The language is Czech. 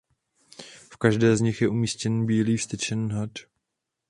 V každé z nich je umístěný bílý vztyčený had.